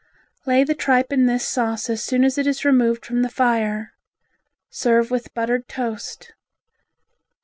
Lay the tripe in this sauce as soon as it is removed from the fire. Serve with buttered toast.